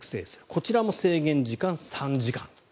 こちらも制限時間３時間。